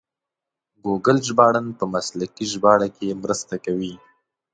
ګوګل ژباړن په مسلکي ژباړه کې مرسته کوي.